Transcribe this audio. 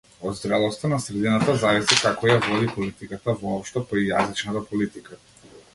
Од зрелоста на средината зависи како ја води политиката воопшто, па и јазичната политика.